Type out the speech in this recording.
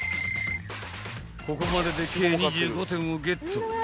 ［ここまでで計２５点をゲット］